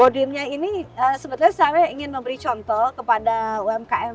kodimnya ini sebetulnya saya ingin memberi contoh kepada umkm